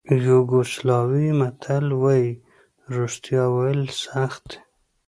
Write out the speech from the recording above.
یوګوسلاویې متل وایي رښتیا ویل سخت دي.